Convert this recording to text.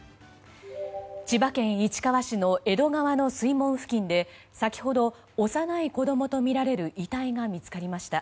千葉県市川市の江戸川の水門付近で先ほど幼い子供とみられる遺体が見つかりました。